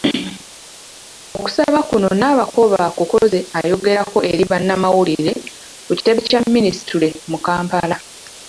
Okusaba kuno Nabakooba akukoze ayogerako eri bannamawulire ku kitebe kya Minisitule mu Kampala.